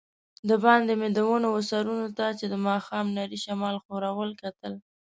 دباندې مې د ونو وه سرونو ته چي د ماښام نري شمال ښورول، کتل.